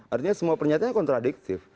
artinya semua pernyataannya kontradiktif